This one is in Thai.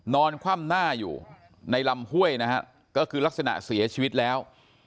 คว่ำหน้าอยู่ในลำห้วยนะฮะก็คือลักษณะเสียชีวิตแล้ว